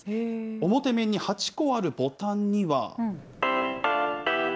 表面に８個あるボタンには。